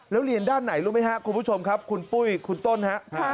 แล้วเรียนด้านไหนรู้ไหมครับคุณผู้ชมครับคุณปุ้ยคุณต้นฮะ